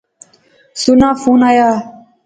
سناں فون آیا